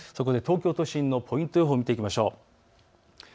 東京都心のポイント予報を見ていきましょう。